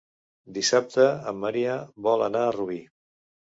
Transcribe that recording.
Dissabte en Maria vol anar a Rubí.